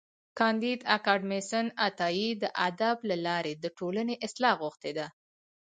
کانديد اکاډميسن عطایي د ادب له لارې د ټولني اصلاح غوښتې ده.